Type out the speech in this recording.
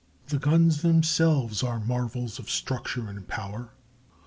The guns themselves are marvels of structure and power.